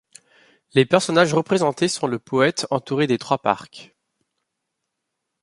Les personnages représentés sont le Poète entouré des trois Parques.